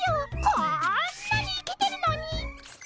こんなにイケてるのに。